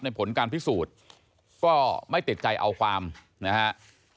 ในผลการพิสูจน์ก็ไม่เต็ดใจเอาความนะครับ